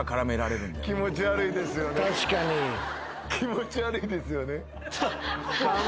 気持ち悪いですよね。